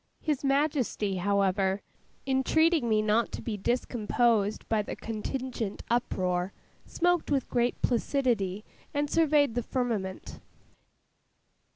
His Majesty, however, entreating me not to be discomposed by the contingent uproar, smoked with great placidity, and surveyed the firmament.